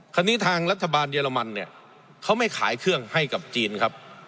ทางรัฐบาลเยอรมันเนี่ยเขาไม่ขายเครื่องให้กับจีนครับ